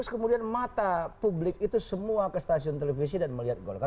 kemudian mata publik itu semua ke stasiun televisi dan melihat golkar